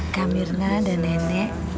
kamirna dan nenek